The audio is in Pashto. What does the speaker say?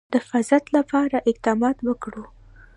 د حفاظت لپاره اقدامات وکړو.